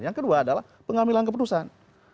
yang kedua adalah pengambilan keputusan